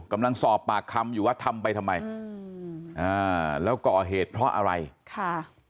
กำลังสอบปากคำอยู่ว่าทำไปทำไมอืมอ่าแล้วก่อเหตุเพราะอะไรค่ะ